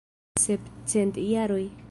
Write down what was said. Sepcent jaroj!